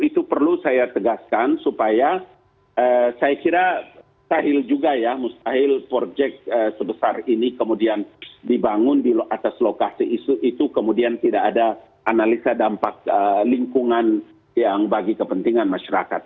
itu perlu saya tegaskan supaya saya kira sahil juga ya mustahil project sebesar ini kemudian dibangun di atas lokasi isu itu kemudian tidak ada analisa dampak lingkungan yang bagi kepentingan masyarakat